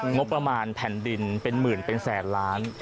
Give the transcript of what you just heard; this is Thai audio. งบประมาณแผ่นดินเป็นหมื่นเป็นแสนล้าน